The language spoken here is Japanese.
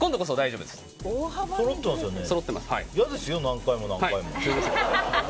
嫌ですよ、何回も何回も。